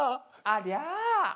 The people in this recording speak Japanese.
ありゃ！